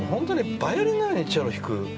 バイオリンのようにチェロを弾く。